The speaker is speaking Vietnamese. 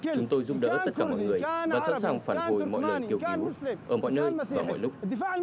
chúng tôi giúp đỡ tất cả mọi người và sẵn sàng phản hồi mọi lời kêu cứu ở mọi nơi và mọi lúc